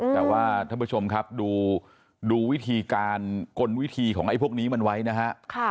แต่ว่าท่านผู้ชมครับดูวิธีการกลวิธีของไอ้พวกนี้มันไว้นะฮะ